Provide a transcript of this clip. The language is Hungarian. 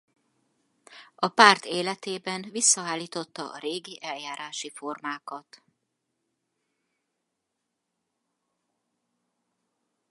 A párt életében visszaállította a régi eljárási formákat.